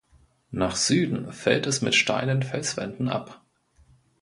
Nach Süden fällt es mit steilen Felswänden ab.